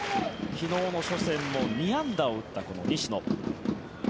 昨日の初戦も２安打を打った西野。